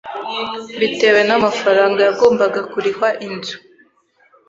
bitewe n'amafaranga yagombaga kurihwa inzu